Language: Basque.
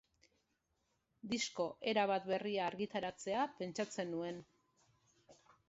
Disko erabat berria argitaratzea pentsatzen nuen.